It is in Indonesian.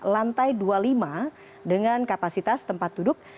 lantai dua puluh lima dengan kapasitas tempat duduk